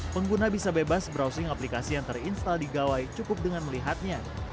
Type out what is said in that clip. pengguna bisa bebas browsing aplikasi yang terinstal di gawai cukup dengan melihatnya